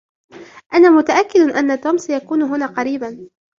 أنا متأكد أن توم سيكون هنا قريباً.